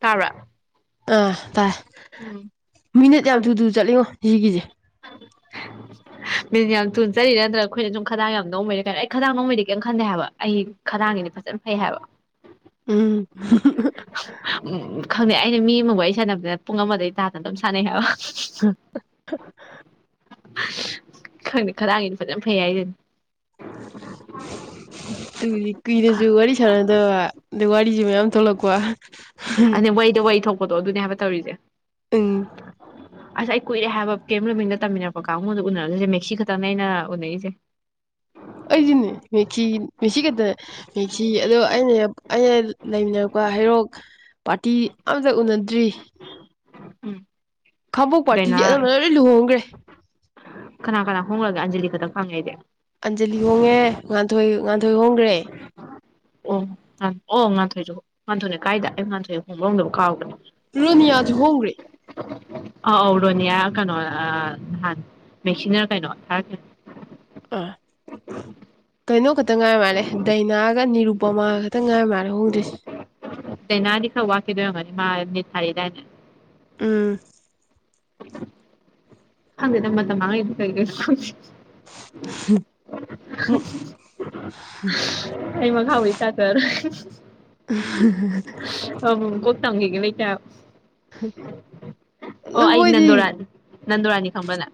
ꯇꯥꯕ꯭ꯔꯥ ꯑꯥ ꯇꯥꯏ ꯎꯝ ꯃꯤꯅꯠ ꯌꯥꯝ ꯊꯨꯗꯨ ꯆꯠꯂꯤꯉꯣ ꯁꯤꯒꯤꯁꯦ ꯃꯤ ꯌꯥꯝ ꯇꯨꯖꯔꯤꯥ ꯅꯠꯇ꯭ꯔꯒ ꯑꯩꯈꯣꯏꯅ ꯁꯨꯝ ꯈꯗꯥꯡ ꯌꯥꯝ ꯅꯣꯡꯃꯩꯔ ꯀꯩꯅꯣ ꯑꯩ ꯈꯗꯥꯡ ꯅꯣꯡꯃꯩꯗꯤ ꯀꯔꯤꯝ ꯈꯟꯗꯩ ꯍꯥꯏꯕ ꯑꯩ ꯈꯗꯥꯡꯒꯤꯗꯤ ꯐꯖꯅ ꯐꯩ ꯍꯥꯏꯕ ꯎꯝ ꯎꯝ ꯈꯪꯗꯦ ꯑꯩꯅ ꯃꯤ ꯑꯃꯕꯨ ꯑꯩ ꯁꯥꯟꯅꯕꯗꯅ ꯄꯨꯡ ꯑꯃꯗꯩ ꯇꯥꯗꯅ ꯑꯗꯨꯝ ꯁꯥꯟꯅꯩ ꯍꯥꯏꯕ [inaudible] ꯈꯪꯅ ꯈꯔ ꯑꯪꯒꯤꯅ ꯐꯖꯅ ꯐꯩ ꯍꯥꯏ ꯑꯗꯨ [inaudible] ꯇꯨꯏ ꯀꯨꯏꯅꯁꯨ ꯋꯥꯔꯤ ꯋꯥꯔꯤ ꯁꯔꯗ ꯑꯗꯩ ꯋꯥꯔꯤꯁꯦ ꯃꯌꯥꯝ ꯊꯣꯛꯂꯛꯄ ꯑ ꯋꯥꯩꯗ ꯋꯥꯍꯤ ꯊꯣꯛꯄ ꯇ ꯑꯗꯨꯅꯦ ꯍꯥꯏꯕ ꯇꯧꯔꯤꯁꯦ ꯎꯝ ꯑꯁ ꯑꯩ ꯀꯨꯏꯔꯦ ꯍꯥꯏꯕ ꯀꯦꯝ ꯔꯣꯃꯤꯡꯗ ꯇꯝꯃꯤꯟꯅꯔꯛꯄ ꯀꯥꯡꯉꯣꯟꯗ ꯎꯅꯔꯁꯤꯣꯏꯁꯦ ꯃꯦꯛꯁꯤ ꯈꯛꯇꯪ ꯑꯅ ꯎꯅꯔꯤꯁꯦ ꯑꯩꯗꯤꯅꯦ ꯃꯦꯛꯁꯤ ꯃꯦꯛꯁꯤ ꯈꯛꯇꯅꯦ ꯃꯦꯛꯁꯤ ꯑꯗꯣ ꯑꯩꯅ ꯑꯩꯅ ꯂꯩꯃꯤꯟꯅꯔꯛꯄ ꯍꯩꯔꯣꯛ ꯄꯥꯔꯇꯤ ꯑꯃꯇ ꯎꯅꯗ꯭ꯔꯤ ꯎꯝ ꯈꯥꯡꯕꯣꯛ ꯗꯥꯏꯅꯥ ꯄꯥꯔꯇꯤꯗꯤ ꯑꯗꯨꯝꯕꯅ ꯂꯣꯏ ꯂ ꯂꯨꯍꯣꯡꯈ꯭ꯔꯦ ꯀꯅꯥ ꯀꯅꯥ ꯍꯣꯡꯂꯒꯦ ꯑꯟꯖꯂꯤ ꯈꯛꯇꯪ ꯐꯪꯉꯏꯗꯤꯦ ꯑꯟꯖꯂꯤ ꯍꯣꯡꯉꯦ ꯉꯥꯟꯊꯣꯏ ꯉꯥꯟꯊꯣꯏ ꯍꯣꯡꯦ ꯇꯦ ꯑꯣ ꯑꯣ ꯉꯥꯟꯊꯣꯏꯁꯨ ꯉꯥꯥꯟꯊꯣꯏꯅꯦ ꯀꯥꯏꯗ ꯑꯩ ꯉꯥꯟꯊꯣꯏ ꯍꯣꯡꯗꯍꯣꯡꯗꯕ ꯀꯥꯎꯕꯅꯦ ꯔꯅꯤꯌꯥ ꯍꯣꯡꯔꯤꯦ ꯑꯧ ꯑꯧ ꯔꯣꯅꯤꯌꯥ ꯀꯩꯅꯣ ꯅꯍꯥꯟ ꯃꯦꯛꯁꯤꯟꯅꯔ ꯀꯩꯅꯣ ꯊꯥꯔꯛꯀꯦ ꯑꯥ ꯀꯩꯅꯣ ꯈꯛꯇ ꯉꯥꯏ ꯃꯥꯜꯂꯦ ꯗꯥꯏꯅꯥꯒ ꯅꯤꯔꯨꯄꯃꯥꯒ ꯈꯛꯇꯪ ꯉꯥꯏ ꯃꯥꯜꯂꯦ ꯍꯣꯡꯗ꯭ꯔꯤꯁꯦ ꯗꯥꯅꯥꯗꯤ ꯈꯔ ꯋꯥꯈꯤꯗꯣꯏꯔꯝꯒꯅꯤ ꯃꯥ ꯃꯤꯠ ꯊꯥꯔꯤꯗꯥꯏꯅ ꯑꯥ [inaudible] ꯍꯪꯦ ꯅꯃ ꯇ ꯃꯥ ꯏ ꯀ ꯑꯩ ꯃꯒ ꯍ ꯑꯣꯏꯣꯏ ꯇ ꯈ [inaudible] [inaudible] ꯇꯦ ꯂꯩ ꯀ ꯑ ꯗꯨꯕꯨꯣꯏꯗꯤ ꯅꯟꯗꯨꯔꯥꯅꯤ ꯈꯪꯕꯅ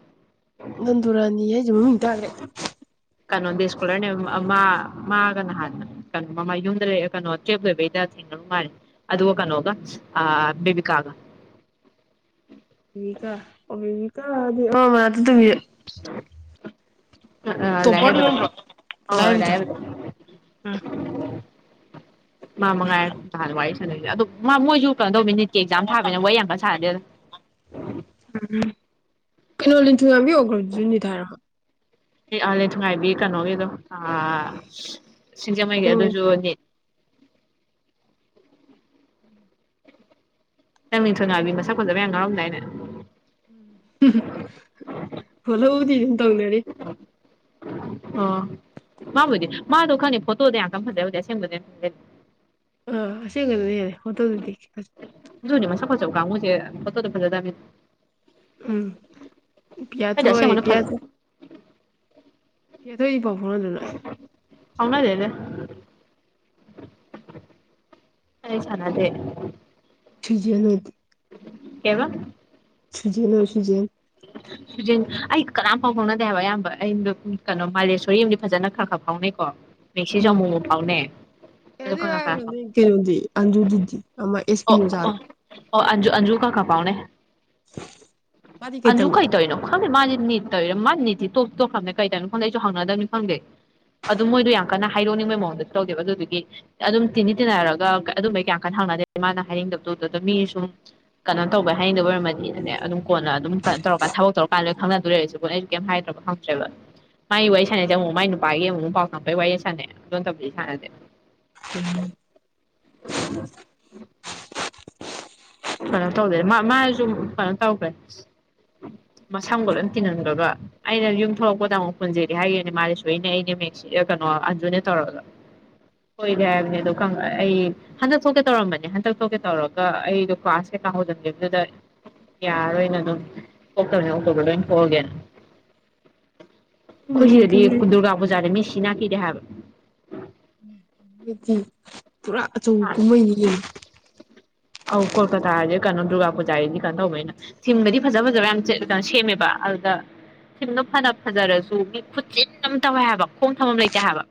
ꯅꯟꯗꯨꯔꯥꯅꯤ ꯍꯥꯏꯁꯦ ꯃꯃꯤꯡ ꯇꯥꯔꯦ ꯀꯩꯅꯣꯗꯤ ꯏꯁꯀꯣꯂꯔꯅꯦ ꯃꯥ ꯃꯥꯒ ꯅꯍꯥꯟ ꯀꯩꯅꯣ ꯃꯃꯥ ꯌꯨꯝꯗ ꯂꯩ ꯀꯩꯅꯣ ꯀꯦꯞ ꯂꯣꯏꯕꯩꯗ ꯃꯥꯔꯦ ꯑꯗꯨꯒ ꯀꯩꯅꯣꯒ ꯑ ꯕꯦꯕꯤꯀꯥꯒ ꯀꯥ ꯑꯣ ꯕꯤꯀꯥꯗꯤ ꯑ ꯃꯥ ꯑꯗꯨ ꯇ ꯑ ꯂ ꯍꯥꯏꯦꯕꯗꯨ ꯑ ꯍꯣꯏ ꯂꯥꯏꯕꯤꯗꯣ ꯂꯑꯦ ꯃꯥ ꯃꯉꯥꯏ ꯑꯗꯨꯥꯟꯅ ꯋꯥꯔꯤ ꯁꯥꯟꯅꯁꯦ ꯑ ꯃꯥ ꯃꯣꯏꯁꯨ ꯀꯩꯅꯗꯧꯕꯤ ꯃꯤꯅꯤꯠꯀꯤꯛꯥꯝ ꯊꯥꯕꯅ ꯋꯥꯔꯤ ꯋꯥ ꯌꯥꯝ ꯀꯟꯅ ꯁꯥꯅꯦꯗꯣ ꯎꯝꯝ ꯀꯩꯅꯣ ꯂꯤꯟꯖꯨ ꯉꯥꯡꯕꯤꯌꯣꯈ꯭ꯔꯣꯁꯨꯅꯤꯊ ꯍꯥꯏꯔꯣ ꯑꯂ ꯊ ꯉꯥꯏꯕꯤ ꯀꯩꯅꯣꯒꯤꯗꯣ ꯑꯥ ꯁꯤꯡꯖꯃꯩꯒꯤ ꯑꯗꯨꯁꯨ ꯅ ꯅꯪ ꯃꯤꯡꯊꯣ ꯅꯥꯕꯤ ꯃꯁꯥ ꯀꯣꯟꯖꯕꯌꯥꯝ ꯉꯥꯎꯔꯝꯗꯥꯏꯅꯦ ꯎꯝ ꯍꯂ ꯍꯗꯤꯅ ꯇꯧꯅꯔ ꯑꯣ ꯃꯥꯕꯨꯗꯤ ꯃꯥꯗꯣ ꯈꯪꯅꯤ ꯐꯣꯇꯣꯗ ꯌꯥꯝ ꯐꯖꯩꯗꯤ ꯑꯁꯦꯡꯕ ꯑ ꯑꯁꯤꯁꯦꯡ ꯀꯅꯤ ꯍꯥꯏꯔꯦ ꯍ ꯇꯣ ꯑꯗꯨꯗꯤ ꯀꯝꯨꯁꯦ ꯐꯠꯇ ꯇ ꯐꯖꯗꯥ ꯎꯝ ꯄꯤꯌꯥꯊꯣꯏ ꯑꯁꯦꯡꯕꯅ ꯐꯖ ꯄꯌꯥꯊ ꯌꯦꯗꯣꯏ ꯄꯣ ꯍꯔꯗꯨꯅ ꯍꯧꯅꯥꯗꯦꯗ ꯑꯩ ꯁꯅꯗꯦ ꯁꯤꯖꯤꯅꯗꯤ ꯀꯕ ꯁꯨꯖꯤꯦ ꯅ ꯁꯨꯖꯤ ꯨꯦꯟ ꯑꯩ ꯀꯅꯥꯝ ꯐꯥꯎ ꯐꯥꯎꯅꯗꯦ ꯍꯥꯏꯕ ꯑꯌꯥꯝꯕ ꯑ ꯀꯩꯅꯣ ꯃꯥꯂꯦꯁꯔꯤ ꯑꯃꯗꯤꯗꯤ ꯐꯖꯅ ꯈꯔ ꯈꯔ ꯐꯥꯎꯅꯩꯀꯣ ꯃꯦꯛꯁꯤꯁꯨ ꯎꯝ ꯑꯃꯨꯛ ꯑꯃꯨꯛ ꯐꯥꯎꯅꯩ ꯑꯗꯣ ꯑꯦꯗꯤ ꯀꯅꯥ ꯀꯅꯥ ꯐꯥꯎ ꯀꯩꯅꯣꯗꯤ ꯑꯟꯖꯨ ꯑꯃ ꯑꯦꯁ ꯄꯤ ꯑꯣ ꯆꯥꯔꯣ ꯑꯣ ꯑ ꯑꯟꯖꯨꯀꯥ ꯀ ꯄꯥꯎꯅꯦ ꯃꯥꯗꯤ ꯑꯟꯖꯨ ꯀꯩ ꯇꯝꯃꯤꯒꯦ ꯇꯧꯅꯣ ꯈꯪ ꯃꯥ ꯅꯅꯤ ꯇꯧ ꯃꯥꯅꯤ ꯁꯤ ꯇꯣꯞ ꯇꯣꯞꯈꯪꯕꯅꯦ ꯀꯩꯗꯧꯅꯤꯣ ꯈꯪꯗꯦ ꯑꯩꯁꯨ ꯍꯪꯅꯗꯕꯅꯤ ꯈꯪꯗꯦ ꯑꯗꯨ ꯃꯣꯏꯗꯣ ꯌꯥꯝ ꯀꯟꯅ ꯍꯥꯏꯔꯣꯛꯅꯤꯡꯕꯩ ꯃꯑꯣꯡꯗꯁꯨ ꯇꯧꯗꯦꯕ ꯑꯗꯨꯗꯨꯒꯤ ꯑꯗꯨꯝ ꯇꯤꯅꯤ ꯇꯤꯟꯅꯔꯒ ꯑꯗꯨꯝꯕꯩ ꯀꯌꯥꯝ ꯀꯟꯅ ꯍꯪꯅꯗꯦ ꯃꯥꯅ ꯍꯥꯏꯅꯤꯡꯗꯕꯗꯨ ꯑꯗꯨ ꯑꯗꯨ ꯃꯤ ꯑꯗꯨꯝ ꯀꯩꯅꯣ ꯇꯧꯕꯩ ꯍꯥꯏꯅꯤꯡꯗꯕ ꯑꯣꯏꯔꯃꯗꯤꯅꯦ ꯑꯗꯨꯝ ꯀꯣꯟꯅ ꯑꯗꯨꯝ ꯀꯩꯅꯣ ꯇꯧꯔꯀꯥꯟ ꯊꯕꯛ ꯇꯧꯔꯀꯥꯟꯗꯣꯏ ꯈꯪꯅꯗ ꯂꯩꯔꯁꯨ ꯀꯣꯅ ꯑꯩꯁꯨ ꯀꯩꯝ ꯍꯥꯏꯗ꯭ꯔꯕ ꯈꯪꯗ꯭ꯔꯦꯕ ꯃꯥꯒꯤ ꯋꯥꯔꯤ ꯁꯥꯟꯅꯩꯁꯦ ꯑꯃꯨꯛ ꯃꯥꯏ ꯅꯨꯄꯥꯒꯤ ꯑꯃꯨꯛ ꯃ ꯄꯥꯎ ꯆꯥꯛꯛꯄꯒꯤ ꯋꯥꯔꯤ ꯁꯥꯟꯅꯩ ꯑꯗꯨꯗꯣꯝ ꯇꯧꯕꯗꯤ ꯁꯥꯟꯅꯁꯦ ꯎꯝ ꯑ ꯀꯩꯅꯣ ꯇꯧꯗꯦ ꯃꯥꯁꯨ ꯀꯩꯅꯣ ꯇꯧꯈ꯭ꯔꯦ ꯃꯁꯝꯒꯣ ꯑꯗꯨꯝ ꯇꯤꯍꯟꯈ꯭ꯔꯕ ꯑꯩꯅ ꯌꯨꯝ ꯊꯣꯛꯂꯛꯄꯗ ꯑꯃꯨꯛ ꯄꯨꯟꯁꯤꯦꯗꯤ ꯍꯥꯏꯈꯤꯕꯅꯦ ꯃꯥꯗꯤꯁꯨ ꯑꯩꯅ ꯑꯩꯅꯦ ꯀꯩꯅꯣ ꯑꯟꯖꯨꯅꯦ ꯇꯧꯔꯒ ꯑꯣꯏꯣꯏꯗꯦ ꯍꯥꯏꯕꯅꯤ ꯑꯗꯣ ꯑꯩ ꯍꯟꯗꯛ ꯊꯣꯛꯀꯦ ꯇꯧꯔꯝꯕꯅꯤ ꯍꯟꯗꯛ ꯊꯣꯛꯀꯦ ꯇꯧꯔꯒ ꯑꯩꯗꯣ ꯀ꯭ꯂꯥꯁ ꯀꯩꯀꯥ ꯍꯧꯖꯟꯒꯦꯗꯨꯗ ꯌꯥꯔꯔꯣꯏꯅ ꯑꯗꯨꯝ ꯊꯣꯛꯇꯕꯅꯦ ꯑꯣꯛꯇꯣꯕꯔ ꯂꯣꯏ ꯑꯣꯏꯅ ꯊꯣꯛꯑꯒꯦꯅ ꯑꯩꯈꯣꯏ ꯁꯤꯗꯗꯤ ꯃꯅꯤꯄꯨꯔꯤ ꯗꯨꯔꯒꯥ ꯄꯨꯖꯥꯗ ꯃꯤꯁꯤ ꯆꯅꯥ ꯀꯗ ꯍꯥꯏꯕ [unintelligible] ꯄꯨꯔꯥ ꯑꯆꯧꯕ ꯀꯨꯝꯍꯩꯅꯤ ꯌꯦ ꯑꯧ ꯀꯣꯜꯀꯇꯥ ꯍꯥꯏꯗꯤ ꯀꯩꯅꯣ ꯗꯨꯔꯒꯥ ꯄꯨꯖꯥꯒꯤꯗꯤ ꯀꯩꯅꯣ ꯇꯧꯕꯅꯤꯅ ꯊꯤꯝꯗꯗꯤ ꯐꯖ ꯐꯖꯕ ꯌꯥꯝ ꯀꯩꯅꯣ ꯁꯦꯝꯃꯦꯕ ꯑꯗꯨꯗ ꯊꯤꯝꯗꯣ ꯐꯅ ꯐꯖꯔꯁꯨ ꯃꯤ ꯈꯨꯠꯆꯟꯅ ꯑꯃ ꯇꯧꯋꯦ ꯍꯥꯏꯕ ꯈꯣꯡ ꯊꯝ ꯑꯃ ꯂꯩꯇꯦ ꯍꯥꯏꯕ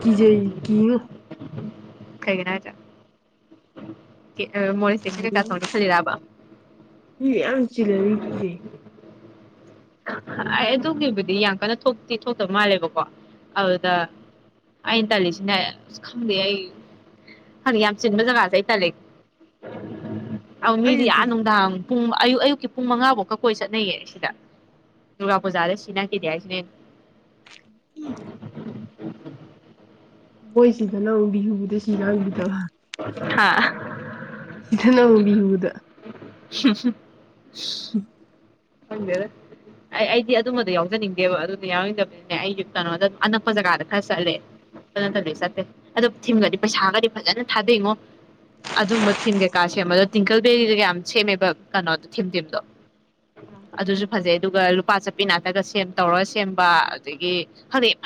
ꯀꯖ ꯀ ꯀꯩꯅꯥꯔ ꯃꯣꯔꯦ ꯁꯦꯁꯟ ꯀꯩꯀꯥ ꯇꯣꯡꯅꯤ ꯈꯜꯂꯤꯔꯕ ꯃꯤ ꯃꯌꯥꯝ ꯆꯤꯜꯂꯗꯤ ꯀꯤꯖꯩ ꯑꯩ ꯑꯗꯨꯒꯤꯕꯨꯗꯤ ꯌꯥꯝ ꯀꯟꯅ ꯊꯣꯛꯇꯦ ꯊꯣꯛꯇꯕ ꯃꯥꯜꯂꯦꯕꯀꯣ ꯑꯗꯨꯗ ꯑꯩꯅ ꯇꯜꯂꯤꯁꯤꯅ ꯑ ꯈꯪꯗꯦ ꯑꯩ ꯈꯪꯗꯦ ꯌꯥꯝ ꯆꯤꯟꯕ ꯖꯒꯥꯁꯦ ꯑꯩ ꯇꯜꯂꯤ ꯑ ꯑꯩ ꯃꯤꯗꯤ ꯏꯊꯟ ꯌꯥꯅꯨꯗ ꯄꯨꯡ ꯑꯌꯨꯛ ꯑꯌꯨꯛꯀꯤ ꯄꯨꯡ ꯃꯉꯥꯐꯧ ꯀ ꯀꯣꯏ ꯆꯠꯅꯩꯌꯦ ꯁꯤꯗ ꯇꯗꯨꯒꯥꯄꯨꯖꯗ ꯁꯤꯅꯥ ꯀꯗ ꯃꯣꯏꯁꯤꯗꯅꯪ ꯕꯤꯍꯨꯕꯨꯗ ꯁꯤꯔꯥꯡꯕꯤꯗꯕ ꯍꯥꯥ ꯅꯕꯤꯍꯎꯗ ꯍꯝ ꯍꯝ ꯎꯝ ꯈꯪꯗꯦ ꯑꯩ ꯑꯩꯗꯤ ꯑꯗꯨꯝꯕꯗꯣ ꯌꯥꯎꯖꯅꯤꯡꯗꯦꯕ ꯑꯗꯨꯗ ꯌꯥꯎꯅꯤꯡꯗꯕꯅꯤꯅꯦ ꯑꯩꯁꯨ ꯀꯩꯅꯣꯗ ꯑꯅꯛꯄ ꯖꯒꯥꯗ ꯈꯔ ꯆꯠꯂꯦ ꯁꯦ ꯑꯗꯨ ꯊꯤꯤꯟꯒꯗꯤ ꯄꯩꯁꯥꯒꯗꯤ ꯐꯖꯅ ꯊꯥꯗꯩꯉꯣ ꯑꯗꯨꯝꯕ ꯊꯤꯟ ꯀꯩꯀꯥ ꯁꯦꯝꯕꯗꯣ ꯇꯤꯡꯀꯜ ꯕꯦꯔꯤꯒ ꯌꯥꯝ ꯁꯦꯝꯃꯦꯕ ꯀꯩꯅꯣꯗꯣ ꯊꯤꯝ ꯊꯤꯝꯗꯣ ꯑꯗꯨꯁꯨ ꯐꯖꯩ ꯑꯗꯨꯒ ꯑꯄꯥ ꯆꯠꯄꯤ ꯅꯥꯠꯇꯒ ꯁꯦꯝ ꯇꯧꯔꯒ ꯁꯦꯝꯕ ꯑꯗꯒꯤ ꯍꯧꯖꯤꯛ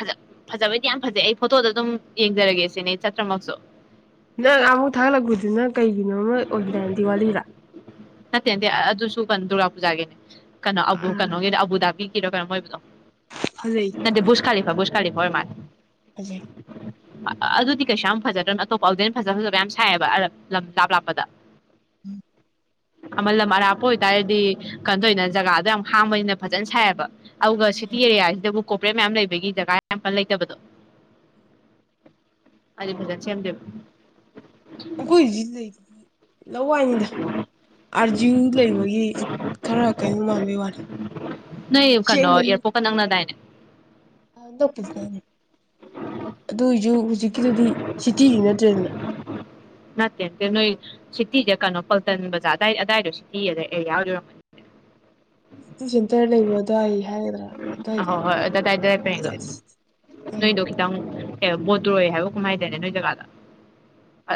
ꯐꯖꯕꯩꯗꯤ ꯌꯥꯝ ꯐꯖꯩ ꯑꯩ ꯐꯣꯇꯣꯗꯣ ꯑꯗꯨꯝ ꯌꯦꯡꯖꯔꯒꯦ ꯁꯤꯅꯦ ꯆꯠꯇ꯭ꯔꯃꯛꯁꯨ ꯅꯪ ꯑꯃꯨꯛ ꯊꯥꯒꯠꯂꯛꯄꯗꯨꯅ ꯀꯩꯒꯤꯅꯣ ꯑꯃ ꯑꯣꯏꯒꯗꯥꯅꯦ ꯗꯤꯋꯥꯂꯤꯗ ꯄꯟꯗꯨꯥꯄꯨꯖꯥꯒꯦꯅꯦ ꯀꯩꯅꯣ ꯑꯕꯕꯨ ꯀꯩꯅꯣꯒ ꯑꯕꯕꯨꯗ ꯔꯔꯝ ꯃꯣꯏ ꯐꯖꯩ ꯅꯗꯤ ꯕꯨꯁꯀꯥ ꯂꯤꯐ ꯁ ꯀ ꯍꯣꯏ ꯃꯥ ꯐꯖꯩ ꯑꯗꯨꯗꯤ ꯀꯩꯁꯨ ꯌꯥꯝ ꯐꯖꯗ꯭ꯔꯅ ꯑꯇꯣꯞꯄ ꯑꯥꯎꯗꯦꯟ ꯐꯖ ꯐꯖꯕ ꯌꯥꯝ ꯁꯥꯏꯑꯕ ꯂꯝ ꯂꯥꯞ ꯂꯥꯞꯄꯗ ꯎꯝ ꯃ ꯃꯔꯄ ꯑꯣꯏꯇꯥꯔꯗꯤ ꯀꯟꯗꯣꯏꯅ ꯖꯒꯥꯗꯣ ꯌꯥꯝ ꯍꯥꯡꯕꯅꯤꯅ ꯐꯖꯅ ꯁꯥꯏꯑꯕ ꯑꯒ ꯁꯤꯇꯤꯔꯦꯌꯥ ꯍꯥꯏꯗꯕꯨ ꯀꯣꯄꯔꯦꯠ ꯃꯌꯥꯝ ꯂꯩꯕꯒꯤ ꯖꯒꯥ ꯌꯥꯝ ꯐ ꯂꯩꯇꯕꯗꯣ ꯑꯗꯨꯗꯤ ꯐꯖꯅ ꯁꯦꯝꯗꯦꯕ ꯀꯣꯏ ꯂꯩ ꯂ ꯋꯥꯏꯅꯤꯗ ꯑꯥꯔꯖꯤꯡ ꯂꯩꯕꯒꯤ ꯈꯔ ꯀꯩꯅꯣ ꯃꯜꯥꯟꯕꯩ ꯋꯥꯂꯦ ꯅꯣꯏ ꯀꯩꯅꯣ ꯁꯦꯡꯅꯅꯤ ꯑꯦꯌꯥꯔꯄꯣꯔꯠꯀ ꯅꯛꯅꯗꯥꯏꯅꯦ ꯣꯛꯅꯦ ꯑꯗꯨ ꯑꯣꯏꯁꯨ ꯍꯧꯖꯤꯛꯀꯤꯗꯨꯗꯤ ꯁꯤꯇꯤ ꯍꯅꯗ꯭ꯔꯦꯗꯅ ꯅꯠꯇꯅ ꯁꯤꯇꯤꯁꯦ ꯀꯩꯅꯣ ꯄꯜꯇꯟ ꯕꯖꯥꯔ ꯑꯗꯨꯗꯥꯏ ꯑꯗꯥꯏꯗꯣ ꯁꯤꯇꯤ ꯑꯗ ꯑꯦꯔꯤꯌꯥ ꯑꯣꯏꯗꯣꯏꯔꯝꯃꯅꯤꯅꯦ ꯁꯦꯟꯇꯔ ꯂꯩꯕ ꯑꯗꯨꯋꯥꯏ ꯍꯥꯏꯒꯗ꯭ꯔꯥ ꯑꯗꯨꯋꯥꯏꯗ ꯑꯍꯣꯏ ꯍꯣꯏ ꯑꯗ ꯑꯗꯥꯏ ꯑꯗꯥꯏ ꯄꯔꯦꯡꯗꯣ ꯎꯝ ꯑꯦ ꯕꯣꯇ꯭ꯔꯣꯏ ꯍꯥꯏꯕ ꯀꯨꯝꯍꯥꯏꯗꯅꯦ ꯅꯣꯏ ꯖꯒꯥꯗ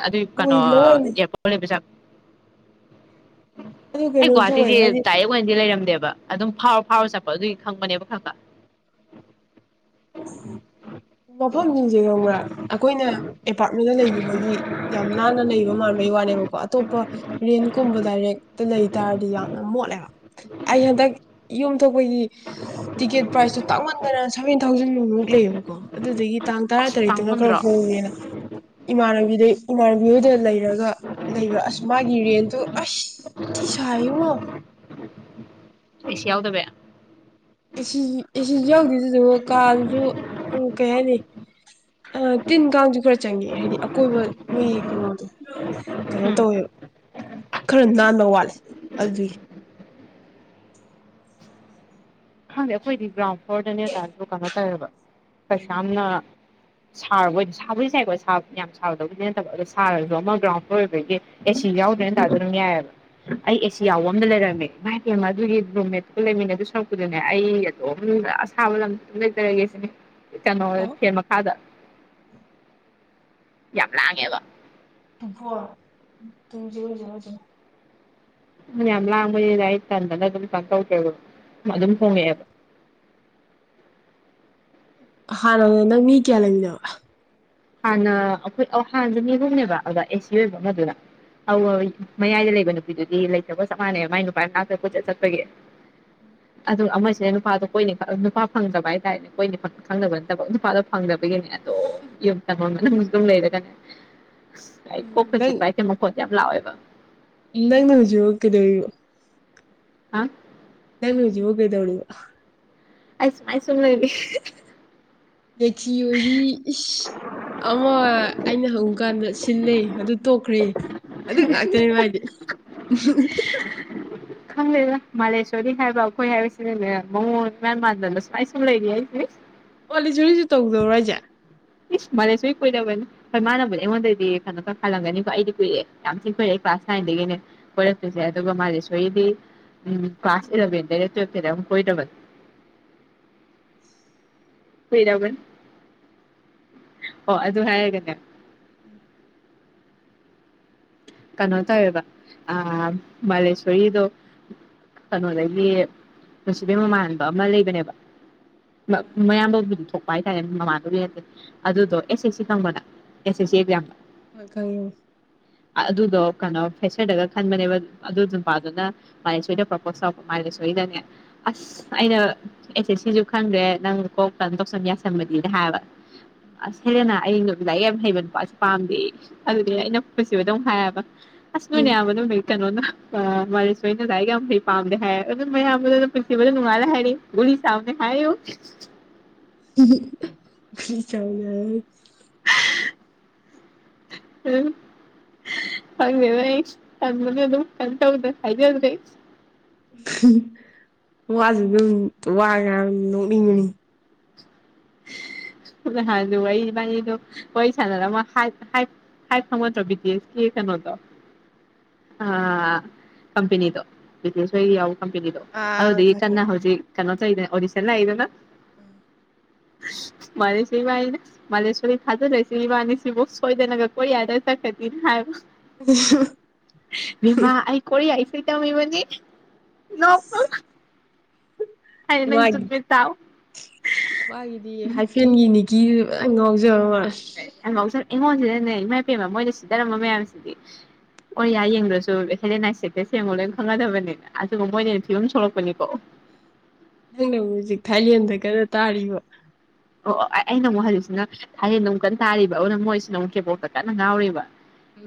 ꯑꯗꯨꯏ ꯀꯩꯅꯣ ꯑꯣꯏ ꯂꯋꯥꯏꯅꯤ ꯑꯦꯔꯄꯣꯔꯠ ꯂꯩꯕꯖꯥ ꯑꯗꯨ ꯑꯩ ꯒꯨꯍꯥ ꯀꯩꯅꯣꯁꯨ ꯑꯣꯏ ꯍꯥꯏꯗꯤ ꯇꯥꯌꯦꯒꯟꯗꯤ ꯂꯩꯔꯝ ꯦꯕ ꯑꯗꯨꯝ ꯐꯥꯎꯔ ꯐꯥꯎꯔ ꯆꯠꯄ ꯑꯗꯨꯒꯤ ꯈꯪꯕꯅꯦꯕ ꯈ ꯈ ꯃꯐꯝꯁꯤꯡꯁꯦ ꯈꯪꯕ꯭ꯔꯥ ꯑꯩꯈꯣꯏꯅ ꯑꯦꯄꯥꯔꯠꯃꯦꯟꯗ ꯂꯩꯈꯤꯕꯒꯤ ꯌꯥꯝ ꯅꯥꯟꯅ ꯂꯩꯕ ꯃꯥꯟꯕꯩ ꯋꯥꯅꯦꯕꯀꯣ ꯑꯇꯣꯞꯄ ꯔꯤꯟ ꯀꯨꯝꯕ ꯗꯥꯏꯔꯦꯛꯇ ꯂꯩꯩ ꯇꯥꯔꯗꯤ ꯌꯥꯝꯅ ꯃꯣꯠꯂꯦꯕ ꯑꯗ ꯌꯨꯝ ꯑꯇꯣꯞꯄꯒꯤ ꯇꯤꯛꯀꯦꯠ ꯄ꯭ꯔꯥꯏꯖꯇꯨ ꯇꯥꯛꯃꯟꯗꯅ ꯁꯚꯦꯟ ꯊꯥꯎꯖꯟꯃꯨꯛ ꯂꯩꯌꯦꯕ ꯑꯗꯨꯗꯒꯤ ꯇꯥꯡ ꯑꯁ ꯇꯔꯥꯇꯔꯦꯠꯇꯨꯅ ꯈꯔ ꯇꯥꯡꯃꯟꯗ꯭ꯔꯣ ꯍꯣꯡꯉꯦꯅ ꯏꯃꯥꯟꯅꯕꯤꯗꯩ ꯏꯃꯥꯟꯅꯕꯤꯗ ꯂꯩꯔꯒ ꯂꯩꯕ ꯑꯁ ꯃꯥꯒꯤ ꯔꯦꯟꯠꯇꯣ ꯑꯁꯊꯤ ꯁꯥꯏꯡꯉꯣ ꯑꯦꯁꯤ ꯌꯥꯎꯗꯕꯩ ꯁꯨ ꯌꯥꯎꯗꯦꯗꯨꯗ ꯀꯥꯗꯨꯁꯨ ꯎ ꯀꯩ ꯍꯥꯏꯅꯤ ꯇꯤꯟ ꯀꯥꯡꯁꯨ ꯈꯔ ꯆꯪꯉꯦ ꯍꯥꯏꯗꯤ ꯑꯀꯣꯏꯕ ꯃꯤꯒꯤ ꯀꯩꯅꯣꯗꯣ ꯀꯩꯅꯣ ꯎꯝ ꯇꯧꯋꯦꯕ ꯈꯔ ꯅꯥꯟꯕ ꯋꯥꯠꯂꯦ ꯑꯜꯕꯤꯏ ꯍꯗ ꯑꯩꯈꯣꯏ ꯕ꯭ꯔꯥꯎ ꯑꯣꯔꯗꯅꯦ ꯇꯥ ꯀ ꯇꯔꯕ ꯀꯩꯁꯝꯅ ꯁꯥꯔꯕ ꯑꯣꯏꯅ ꯁꯥꯕꯒꯤ ꯌꯥꯥꯏꯀꯣ ꯌꯥꯝ ꯁꯥꯔꯗꯕꯗꯤ ꯅꯠꯇꯕ ꯑꯗꯣ ꯁꯥꯔꯁꯨ ꯑꯃ ꯒ꯭ꯔꯥꯎꯟ ꯐ꯭ꯂꯣꯔ ꯑꯣꯏꯕꯒꯤ ꯑꯦ ꯁꯤ ꯌꯥꯎꯗ꯭ꯔꯦꯅ ꯇꯥꯗꯔꯝ ꯌꯥꯏꯑꯕ ꯑꯩ ꯑꯦꯁꯤ ꯌꯥꯎꯕ ꯑꯝꯗ ꯂꯩꯔꯝꯃꯦ ꯃ ꯌꯦꯡꯉ ꯑꯗꯨꯒꯤ ꯔꯨꯝꯃꯦꯠꯀꯨ ꯂꯩꯃꯤꯟꯅ ꯑꯗꯨ ꯁꯨꯛ ꯑꯗꯨꯅꯦ ꯑꯩ ꯑꯗꯨꯝ ꯑꯁꯥꯕ ꯂꯝꯗ ꯑꯗꯨꯝ ꯂꯩꯖꯔꯒꯦ ꯁꯤꯅꯦ ꯀꯩꯅꯣ ꯐꯅ ꯈꯥꯗ ꯌꯥꯝ ꯂꯥꯛꯑꯦ ꯕ ꯄ ꯇ [unintelligible] ꯌꯑꯣ ꯃ ꯌꯥꯝ ꯂꯥꯛꯕꯅꯤꯅ ꯑꯩ ꯇꯥꯟꯗꯅ ꯑꯗꯨꯝ ꯀꯩꯅꯣ ꯇꯧꯗꯔꯦꯕ ꯀꯣ ꯑꯗꯨꯝ ꯍꯣꯡꯉꯑꯦꯕ ꯍꯥꯟ ꯅꯪ ꯃꯤ ꯀꯌꯥ ꯂꯩꯪꯗꯕ ꯍꯥꯟꯅ ꯑꯩꯈꯣꯏ ꯍꯥꯟꯅꯁꯨ ꯃꯤꯍꯨꯝꯅꯦꯕ ꯑꯗꯨꯗ ꯑꯦꯁꯤ ꯑꯣꯏꯕ ꯑꯃꯗꯨꯅ ꯃꯌꯥꯏꯗ ꯂꯩꯕ ꯅꯨꯄꯤꯗꯨꯗꯤ ꯂꯩꯇꯕ ꯆꯞ ꯃꯥꯟꯅꯩ ꯃꯥꯏ ꯅꯨꯄꯥꯅ ꯉꯥꯛꯇ ꯀꯣꯠꯆꯠ ꯆꯠꯄꯒꯤ ꯑꯗꯨ ꯑꯃꯁꯤꯅ ꯅꯨꯄꯥꯗꯣ ꯀꯣꯏꯅꯤ ꯅꯨꯄꯥ ꯐꯪꯗꯕ ꯍꯥꯏ ꯇꯔꯦꯅꯦ ꯀꯣꯏꯅꯤ ꯈꯪꯗꯕ ꯅꯠꯇꯕ ꯅꯨꯄꯥꯗꯣ ꯐꯪꯗꯕꯒꯤꯅꯦ ꯌ ꯁꯨ ꯑꯗꯨꯝ ꯂꯩꯔ ꯀ ꯥꯏ ꯄꯣꯈꯣꯏꯁꯤ ꯄꯥꯏꯇꯦ ꯃꯣ ꯂꯑꯣ ꯑꯣꯏꯕ ꯑꯦꯅꯖ ꯀꯦꯗꯣ ꯑ ꯅꯪꯗꯤ ꯍꯒꯣꯏꯗꯕꯅꯤꯒ ꯑꯩꯁꯨꯥꯏꯁꯨꯝ ꯂꯩꯏꯗꯤ ꯂꯦꯛꯆ ꯑꯣꯏꯗꯤ ꯏ ꯁ ꯑꯃ ꯑꯩꯅ ꯍꯨꯀꯥꯟꯗ ꯁꯤꯜꯂꯦ ꯑꯗꯨ ꯇꯣꯛꯈ꯭ꯔꯦ ꯑꯗꯨꯗꯥꯛꯇꯅꯦꯃꯥꯏꯗꯦ ꯎ ꯈꯪꯗꯦꯗ ꯃꯥꯂꯦꯁꯣꯔꯤ ꯍꯥꯏꯕ ꯑꯩꯈꯣꯏ ꯍꯥꯏꯕꯁꯤꯅꯅꯦ ꯃꯉꯣꯟ ꯃ꯭ꯌꯥꯟꯃꯥꯔꯗꯅ ꯁꯨꯃꯥꯏ ꯁꯨꯝ ꯂꯩꯔꯤ ꯍꯥꯏꯁꯦ ꯋꯥꯂꯤꯖꯨꯔꯤꯁꯨ ꯇꯧꯗꯧꯔꯖꯦ ꯏꯁ ꯃꯥꯂꯦꯁꯔꯤ ꯀꯣꯏꯗꯕꯅꯤ ꯍꯣꯏ ꯃꯥꯅꯕꯕꯨꯅꯦ ꯑꯩꯉꯣꯟꯗꯗꯤ ꯀꯩꯅꯣ ꯈꯔ ꯈꯜꯂꯝꯒꯅꯤꯀꯣ ꯑꯩꯗꯤ ꯀꯨꯏꯔꯑꯦ ꯌꯥꯝ ꯊꯤꯅ ꯀꯨꯏꯔꯛꯑꯦ ꯀ꯭ꯂꯥꯁ ꯅꯥꯏꯟꯗꯒꯤꯅꯦ ꯀꯣꯏꯔꯛꯄꯁꯦ ꯑꯗꯨꯒ ꯃꯥꯂꯦꯁꯣꯔꯤꯗꯤ ꯎ ꯀ꯭ꯂꯥꯁ ꯏꯂꯚꯦꯟꯗꯩꯗ ꯇꯨꯋꯦꯜꯐꯇꯗ ꯑꯃꯨꯛ ꯀꯣꯏꯗꯕꯅꯤ ꯔꯟ ꯑꯣ ꯑꯗꯨ ꯑ ꯗꯨ ꯍꯥꯏꯒꯟꯅ ꯀꯩꯅꯣ ꯇꯧꯋꯦꯕ ꯃꯥꯂꯦꯁꯣꯔꯤꯗꯣ ꯀꯩꯅꯣꯗꯒꯤ ꯅꯨꯡꯁꯤꯕꯦꯝ ꯃꯃꯥꯟꯕ ꯑꯃ ꯂꯩꯕꯅꯦꯕ ꯃꯌꯥꯝꯗ ꯑꯗꯨꯝ ꯊꯣꯛ ꯍꯥꯏꯇꯥꯔꯦ ꯃꯃꯥꯗꯨꯦ ꯑꯗꯨꯗꯣ ꯑꯦꯁ ꯑꯦꯁ ꯁꯤ ꯐꯪꯕꯅ ꯑꯦꯁ ꯑꯦꯁ ꯁꯤ ꯌꯥꯝꯕ ꯑ ꯀꯣ ꯑꯗꯨꯗꯣ ꯀꯩꯅꯣ ꯐꯦꯁꯔꯗꯒ ꯈꯟꯕꯅꯦꯕ ꯑꯗꯨ ꯅꯨꯄꯥꯗꯨꯅ ꯃꯥꯗꯤ ꯁꯣꯏꯗꯅ ꯄ꯭ꯔꯣꯄꯣꯁ ꯇꯧꯔꯛꯄ ꯃꯥꯥꯏꯗ ꯁꯣꯏꯗꯅꯦ ꯑꯁ ꯑꯩꯅ ꯑꯦꯁꯦ ꯁꯤꯁꯨ ꯈꯪꯗ꯭ꯔꯦ ꯅꯪ ꯀꯣꯛ ꯀꯩꯅꯣ ꯇꯧꯁꯟ ꯌꯥꯁꯟꯃꯗꯤꯅ ꯍꯥꯏꯕ ꯑꯁ ꯍꯦꯗꯅ ꯑꯗ ꯂꯥꯏ ꯌꯥꯝ ꯍꯩꯕ ꯅꯨꯄꯥꯁꯦ ꯄꯥꯝꯗꯦ ꯑꯗꯨꯗꯤ ꯑꯩꯅ ꯀꯁꯨꯕꯨ ꯑꯗꯨꯧ ꯍꯥꯏꯌꯦꯕ ꯑꯁꯃꯅꯦ ꯌꯥꯕꯅꯕꯅꯣꯅ ꯑ ꯃꯔ ꯁꯋꯍꯤꯅ ꯂꯏꯒ ꯑꯔꯤ ꯄꯥꯝꯗ ꯍꯥꯏ ꯄ ꯃꯅꯨꯡꯉ ꯍꯥꯏꯅꯤ ꯨꯂꯤ ꯁꯥꯝ ꯍꯥꯏ ꯆꯗ ꯎꯝ ꯐꯪꯅꯦ ꯔꯁ ꯇ ꯃꯅꯦ ꯑꯗꯨ ꯑꯗꯨꯝ ꯀꯟ ꯇꯗ ꯍꯥꯏꯖꯗ ꯔꯁ ꯎꯝ ꯋꯥꯁꯨ ꯑꯗꯨꯝ ꯋꯥ ꯉ ꯌꯥꯝ ꯅꯣꯛꯅꯤꯡꯉꯅꯤ ꯑꯩꯕꯥꯅꯤꯗꯣ ꯋꯥꯔꯤ ꯁꯥꯟꯅꯔ ꯐꯪꯉꯠꯇ꯭ꯔꯣ ꯕꯤꯗꯤꯁ ꯀ ꯀꯩꯅꯣꯗꯣ ꯑ ꯀꯄꯅꯤꯗꯣ ꯕꯤ ꯗꯁ ꯌꯥꯎ ꯀꯅꯤꯗꯣ ꯑꯥ ꯍꯧꯗꯤ ꯀꯟꯅ ꯍꯧꯖꯤꯛ ꯀꯅꯥꯣꯇ ꯏꯦ ꯑꯣꯔꯤꯁꯂ ꯍꯥꯏꯗꯅ ꯎꯝ ꯃꯥꯂꯦꯁ ꯏꯕꯥꯅꯤꯅ ꯃꯥꯂꯦꯁꯔꯤ ꯊꯥꯖꯂꯛꯁꯤ ꯏꯕꯥꯅꯤ ꯁꯤꯕꯨ ꯁꯣꯏꯗꯅꯒ ꯀꯣꯌꯥꯗ ꯆꯠꯀꯅꯤꯅ ꯍꯥꯏꯕ [unintelligible] ꯃꯤꯃ ꯑꯩ ꯀ ꯄꯇꯝꯕꯗꯤ ꯍꯥꯏ ꯅꯪ ꯃꯥꯒꯤ ꯇꯠꯃꯦ ꯇꯎ ꯀ ꯑ ꯉꯖ ꯍꯪꯁꯔ ꯑꯩꯉꯣꯟꯁꯤꯗꯅꯦ ꯏꯃꯥ ꯏ ꯄꯦꯟꯕ ꯃꯣꯏꯅ ꯁꯤꯗꯔꯝꯕ ꯃꯌꯥꯝꯁꯤꯗꯤ ꯑꯣꯔꯤꯌꯥ ꯌꯦꯡꯗ꯭ꯔꯁꯨ ꯍꯦꯂꯦꯅꯥꯥꯏ ꯁꯦꯠꯇ ꯁꯦꯝꯉꯣ ꯂꯣꯏꯅ ꯈꯪꯒꯗꯕꯅꯤꯅ ꯑꯗꯨꯒ ꯃꯣꯏꯅ ꯐꯤꯕꯝ ꯁꯣꯛꯂꯛꯄꯅꯤꯀꯣ ꯅꯪꯅ ꯍꯧꯖꯤꯛ ꯊꯥꯏꯂꯦꯟꯗꯒꯔ ꯇꯥꯔꯤꯕ ꯑꯣ ꯑꯣ ꯑꯩꯅ ꯑꯃꯨꯛ ꯍꯧꯖꯤꯛꯁꯤꯅ ꯊꯥꯏꯂꯦꯟꯗ ꯑꯃꯨꯛ ꯀꯟꯅ ꯇꯥꯔꯤꯕ ꯑꯗꯨꯅ ꯃꯣꯏꯁꯤꯅ ꯑꯃꯨꯛ ꯈꯦꯕꯣꯛꯇ ꯀꯟꯅ ꯉꯥꯎꯔꯤꯕ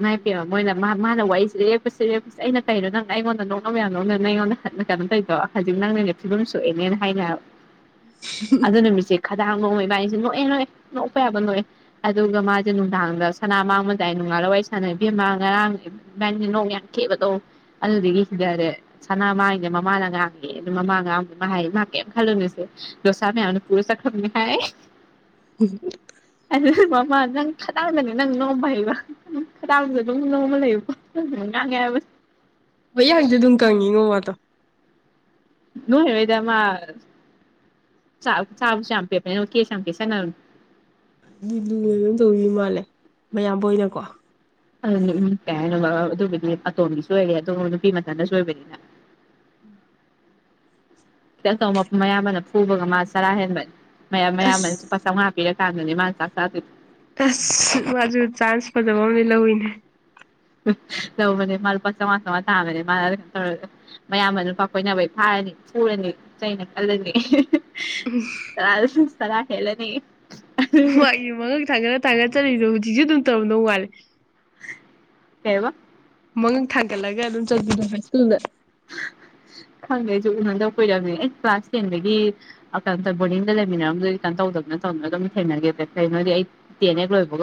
ꯉꯥꯏ ꯄ ꯃꯣꯏ ꯃꯥ ꯃꯥꯅ ꯋꯥꯔꯤꯁꯦ ꯂꯦꯞꯄꯁꯦ ꯂꯦꯞꯄꯁꯦ ꯑꯩꯅ ꯀꯩꯅꯣ ꯅꯪꯅ ꯑꯩꯉꯣꯟꯗ ꯅꯣꯡꯅ ꯃꯌꯥꯝ ꯅꯧꯅ ꯅꯪ ꯑꯩꯉꯣꯟꯗ ꯀꯩꯅꯣ ꯇꯧꯗꯣ ꯍꯧꯖꯤꯛ ꯅꯪꯅꯦꯅꯦ ꯐꯤꯕꯝ ꯁꯣꯛꯑꯦꯅꯦꯅ ꯍꯥꯏꯅ [unintelligible] ꯍꯗꯥꯥꯡ ꯅꯣꯡꯉꯩ ꯏꯕꯥꯥꯏꯁꯦ ꯅꯣꯛꯑꯦ ꯅꯣꯛꯑꯦ ꯅꯣꯛꯄ ꯌꯥꯕ ꯅꯣꯛꯑꯦ ꯑꯗꯨꯒ ꯃꯥꯁꯦ ꯅꯨꯡꯗꯥꯡꯗ ꯁꯅꯥ ꯃꯥꯡꯕꯗꯥꯏ ꯅꯨꯡꯉꯥꯜꯂ ꯋꯥꯔꯤꯏ ꯁꯥꯟꯅꯩ ꯏꯕꯦꯝꯃ ꯉꯔꯥꯡꯒꯤ ꯏꯥꯏꯁ ꯅꯣꯡ ꯌꯥꯝ ꯊꯦꯕꯗꯣ ꯑꯗꯨꯗꯒꯤ ꯍꯗꯔꯦ ꯁꯅꯥ ꯃꯥꯡꯉꯗꯦ ꯃꯃꯥꯅ ꯉꯥꯡꯉꯛꯦ ꯑꯗꯨ ꯃꯃꯥ ꯉꯔꯥꯡ ꯃꯥ ꯍꯥꯏ ꯃꯥ ꯀꯩꯝ ꯈꯜꯂꯨꯅꯨꯁꯦ ꯗꯣꯁꯥ ꯃꯌꯥꯝꯅ ꯄꯨꯔ ꯆꯈ꯭ꯔꯦ ꯝ ꯍꯥꯏ ꯑ ꯃꯃ ꯑꯗꯨꯪ ꯇꯪꯗꯅꯦ ꯅꯪꯅ ꯅꯣꯡꯝꯕ ꯍꯥꯏꯕ ꯎꯝ ꯈꯗꯥꯡꯗ ꯑꯗꯨꯝ ꯅꯣꯡꯃ ꯂꯩꯌꯨ ꯒꯌꯥꯕ ꯏ ꯍꯥꯏꯪꯗꯦ ꯑꯗꯨꯨꯡ ꯀꯪꯉꯒꯣ ꯋꯥ ꯇ ꯅꯅꯨꯡ ꯍꯦꯕꯗ ꯃꯥ ꯆ ꯆꯥꯕ ꯆꯝꯄꯤꯦꯦ ꯄꯁꯅ ꯂꯨꯅ ꯑꯗꯨꯝ ꯇꯧꯔꯤ ꯃꯥꯜꯂꯦ ꯃꯌꯥꯝꯕ ꯑꯣꯏꯅꯀꯣ ꯑꯗꯨ ꯀꯩ ꯍꯥꯏꯅꯣ ꯑꯗꯨꯒꯤꯗꯤ ꯑꯇꯣꯝꯕꯤꯁꯨ ꯑꯣꯏꯔꯦ ꯑꯗꯨꯒ ꯅꯨꯄꯤ ꯃꯊꯜꯗꯁꯨ ꯑꯣꯏꯕꯅꯤꯅ ꯑꯇꯣ ꯑꯌꯥꯝꯕꯅ ꯐꯨꯕꯒ ꯃꯥ ꯆꯔꯥ ꯍꯦꯟꯕꯅꯤ ꯃꯌꯥꯝ ꯃꯌꯥꯝ ꯑꯁ ꯄꯁ ꯀꯥꯟꯅꯤ ꯃꯥꯁꯁ ꯑꯁ ꯃꯥꯁꯨ ꯆꯥꯟꯁ ꯐꯖꯕ ꯑꯃꯗꯤ ꯂꯧꯋꯤꯅꯦ ꯇꯧꯕꯅꯦ ꯃꯥ ꯂꯨꯄꯥ ꯆꯥꯝꯃꯉꯥ ꯆꯥꯃꯉꯥ ꯇꯥꯕꯅꯦ ꯃꯥꯅꯩꯅꯣ ꯇꯧꯔꯒ ꯃꯌꯥꯝꯕ ꯂꯨꯄꯥ ꯀꯣꯏꯅꯕꯩ ꯐꯥꯔꯅꯤ ꯐꯨꯔꯅꯤ ꯆꯩꯅ ꯈꯜꯂꯅꯤ ꯆ ꯀꯂ ꯍꯥꯏꯦꯅꯤ ꯋꯥꯒꯤ ꯃꯒꯛ ꯊꯥꯒꯠ ꯊꯥꯒꯠꯆꯠꯔꯤꯗꯣ ꯍꯧꯖꯤꯛꯁꯨ ꯑꯗꯨꯝ ꯇꯧꯗꯧ ꯋꯥꯂꯦ ꯀꯩꯕ ꯃꯉꯛ ꯊꯥꯡꯒꯠꯂꯒ ꯑꯗꯨꯝ ꯆꯠꯗꯣ ꯍꯥꯏ ꯁ꯭ꯀꯨꯜꯗ ꯈꯪꯗꯦ ꯑꯩꯁꯨ ꯎꯅꯗꯧ ꯀꯨꯏꯔꯝꯅꯤ ꯑꯩ ꯀ꯭ꯂꯥꯁ ꯇꯦꯟꯗꯒꯤ ꯀꯩꯅꯣꯝꯇ ꯕꯣꯔꯗꯤꯡꯗ ꯂꯩꯃꯤꯟꯅꯔꯝꯕꯗꯗꯤ ꯀ ꯇꯧꯗꯕꯅ ꯇꯧꯗꯅ ꯑꯗꯨꯝ ꯊꯦꯡꯅꯒꯦ ꯀꯩꯅꯣꯗꯤ ꯑꯩ ꯇꯦꯟ ꯍꯦꯛ ꯂꯣꯏꯕꯒꯨꯝ